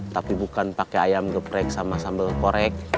tapi bukan pakai ayam geprek sama sambal korek